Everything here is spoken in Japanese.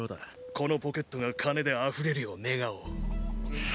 このポケットが金であふれるよう願おう。